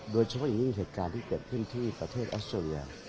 โดยเฉพาะอย่างยิ่งเหตุการณ์ที่เกิดขึ้นที่ประเทศออสเตรเลีย